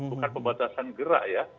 bukan pembatasan gerak ya